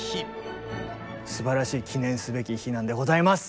すばらしい記念すべき日なんでございます！